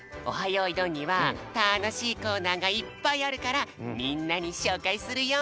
よいどん」にはたのしいコーナーがいっぱいあるからみんなにしょうかいするよ！